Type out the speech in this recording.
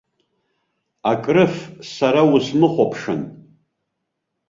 Акрыф, сара усыхәамԥшын.